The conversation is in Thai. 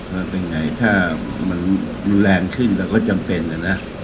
มันเป็นไงถ้ามันรุนแรงขึ้นแล้วก็จำเป็นนะนะ